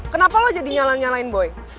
kenapa lo jadi nyalah nyalahin boy